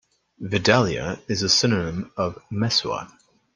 "Vidalia" is a synonym of "Mesua".